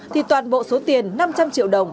thì toàn bộ số tiền năm trăm linh triệu đồng